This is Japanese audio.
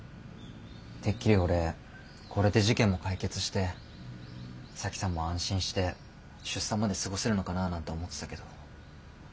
てっきり俺これで事件も解決して沙樹さんも安心して出産まで過ごせるのかなあなんて思ってたけど。